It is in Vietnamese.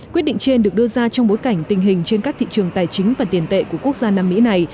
quyết định trên được đưa ra trong bối cảnh tình hình trên các thị trường tài chính và tiền tệ của quốc gia nam mỹ này